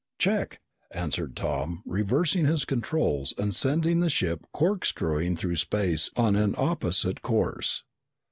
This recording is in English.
"Check!" answered Tom, reversing his controls and sending the ship corkscrewing through space on an opposite course.